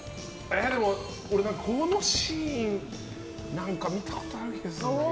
でも、俺、このシーン見たことある気がするんだけど。